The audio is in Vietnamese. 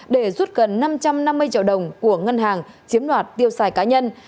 năm trăm năm mươi triệu đồng của ngân hàng chiếm đoạt tiêu xài cá nhân